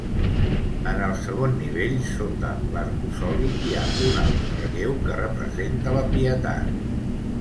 En el segon nivell, sota l'arcosoli, hi ha un alt relleu que representa la Pietat.